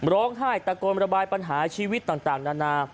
ร้องไห้ตะโกนระบายปัญหาชีวิตต่างนานา